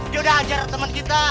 dia udah ajar teman kita